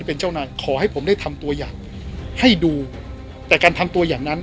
เป็นเจ้านายขอให้ผมได้ทำตัวอย่างให้ดูแต่การทำตัวอย่างนั้น